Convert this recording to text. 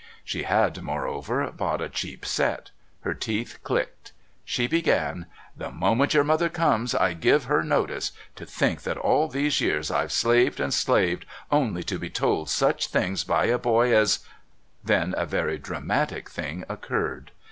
She had, moreover, bought a cheap set. Her teeth clicked. She began: "The moment your mother comes I give her notice. To think that all these years I've slaved and slaved only to be told such things by a boy as " Then a very dramatic thing occurred.